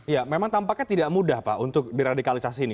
ya memang tampaknya tidak mudah pak untuk diradikalisasi ini